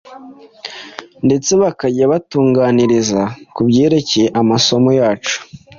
ndetse bakajya batuganiriza ku byerekeye amasomo yacu,